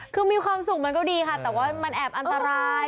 คือมีความสุขมันก็ดีค่ะแต่ว่ามันแอบอันตราย